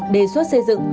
đề xuất xây dựng